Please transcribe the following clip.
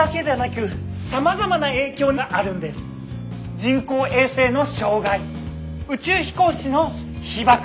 人工衛星の障害宇宙飛行士の被ばく。